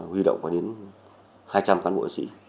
huy động đến hai trăm linh cán bộ